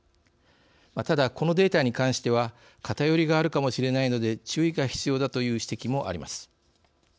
ただ、このデータに関しては偏りがあるかもしれないので注意が必要だという指摘もあります。